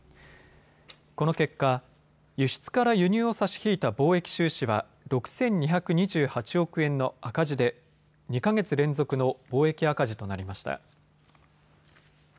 この結果、輸出から輸入を差し引いた貿易収支は６２２８億円の赤字で２か月連続の貿易赤字となりました。